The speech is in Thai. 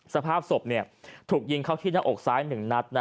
สภาพศพถูกยิงเข้าที่หน้าอกซ้าย๑นัด